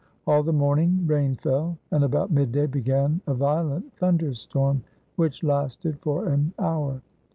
All the morning rain fell, and about mid day began a violent thunder storm, which lasted for an hour.